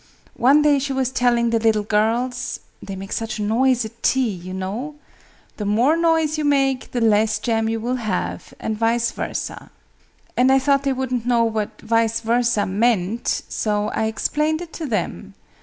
One day she was telling the little girls they make such a noise at tea, you know 'The more noise you make, the less jam you will have, and vice versâ.' And I thought they wouldn't know what 'vice versâ' meant: so I explained it to them.